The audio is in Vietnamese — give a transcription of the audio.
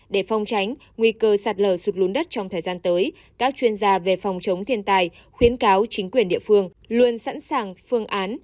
để phong tránh nguy cơ sạt lở sụt lún đất trong thời gian tới các chuyên gia về phòng chống thiên tai khuyến cáo chính quyền địa phương luôn sẵn sàng phương án